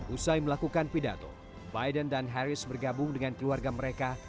usai melakukan pidato biden dan harris bergabung dengan keluarga mereka